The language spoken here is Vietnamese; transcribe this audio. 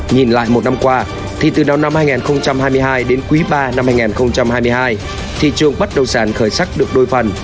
nhìn lại một năm qua thì từ đầu năm hai nghìn hai mươi hai đến quý ba năm hai nghìn hai mươi hai thị trường bất động sản khởi sắc được đôi phần